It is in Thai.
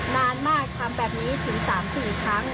นานมากทำแบบนี้ถึง๓๔ครั้ง